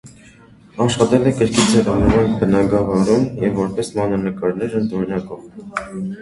Աշխատել է գրքի ձևավորման բնագավառում և որպես մանրանկարներ ընդօրինակող։